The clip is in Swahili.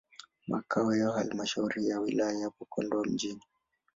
Makao ya halmashauri ya wilaya yapo Kondoa mjini.